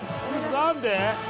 何で？